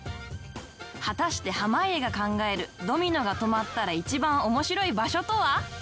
果たして濱家が考えるドミノが止まったら一番面白い場所とは？